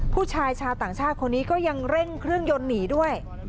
ผู้ชายชาวต่างชาติคนนี้ก็ยังเร่งเครื่องยนต์หนีด้วย